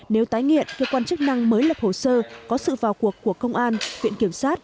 nếu tái nghiện cơ quan chức năng mới lập hồ sơ có sự vào cuộc của công an viện kiểm sát